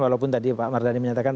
walaupun tadi pak mardhani menyatakan